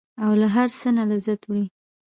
او له هر څه نه لذت وړي.